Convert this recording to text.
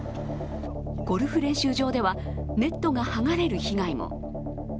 ゴルフ練習場ではネットが剥がれる被害も。